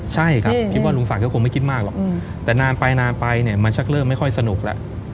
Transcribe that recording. ใช่ครับคิดว่าลุงศักดิ์คงไม่คิดมากหรอกแต่นานไปนานไปเนี่ยมันชักเริ่มไม่ค่อยสนุกแล้ว